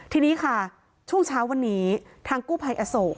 ทีนี้ค่ะช่วงเช้าวันนี้ทางกู้ภัยอโศก